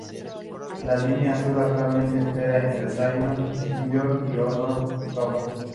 La Línea Azul actualmente opera entre San Ysidro y Old Town.